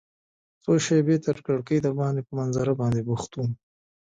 څو شیبې تر کړکۍ دباندې په منظره باندې بوخت وم.